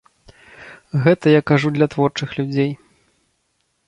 Гэта я кажу для творчых людзей.